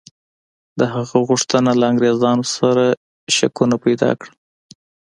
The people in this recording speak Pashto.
د هغه غوښتنه له انګرېزانو سره شکونه پیدا کړل.